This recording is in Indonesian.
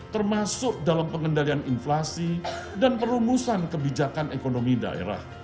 termasuk dalam pengendalian inflasi dan perumusan kebijakan ekonomi daerah